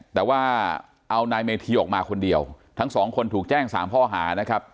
แต่ว่าเอานายเมธีออกมาคนเดียวทั้งสองคนถูกแจ้ง๓ข้อหานะครับ